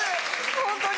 ホントに。